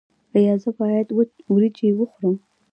ایا زه باید وریجې وخورم؟